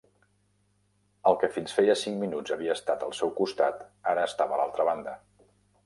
El que fins feia cinc minuts havia estat al seu costat, ara estava a l'altra banda.